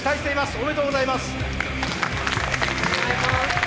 おめでとうございます。